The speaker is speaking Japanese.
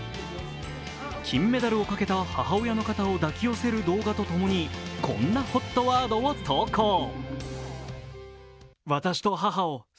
金メダルをかけた母親の肩を抱き寄せる動画とともにこんなＨＯＴワードを投稿。